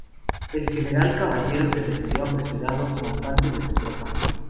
El general Caballero se retiró apresurado con parte de su tropa.